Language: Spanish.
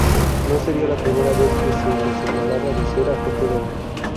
No sería la primera vez que se le señalaba de ser agente doble.